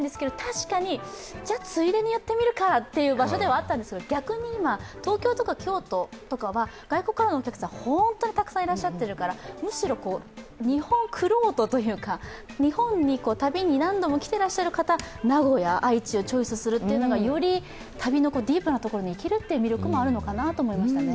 確かに、じゃあ、ついでに寄ってみるかという場所ではあったんですけど、逆に今、東京とか京都とかは外国からのお客さんが本当にたくさんいらっしゃってるから、むしろ日本玄人というか日本に旅に何度も来ていらっしゃる方は、名古屋、愛知をチョイスするというのが、より、旅のディープな魅力で行けるという気がしますね。